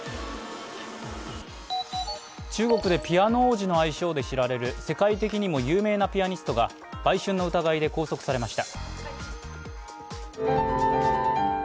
中国でピアノ王子の愛称で知られる世界的にも有名なピアニストが買春の疑いで拘束されました。